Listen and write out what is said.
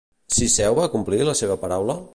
Cisseu va complir la seva paraula?